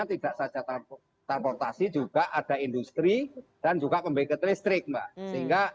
tidak saja terpotong transportasi juga ada industri dan juga pembeli ke listrik sehingga